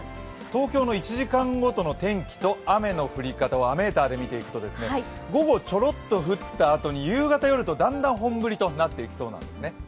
東京の１時間ごとの天気と雨の降り方をレーダーで見ていくと午後ちょろっと降ったあとに夕方、夜とだんだん本降りになっていきそうなんですね。